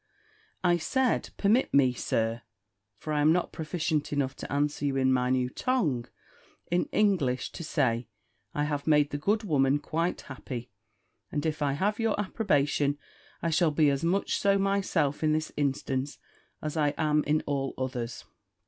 I said, "Permit me, Sir (for I am not proficient enough to answer you in my new tongue), in English, to say, I have made the good woman quite happy; and if I have your approbation, I shall be as much so myself in this instance, as I am in all others."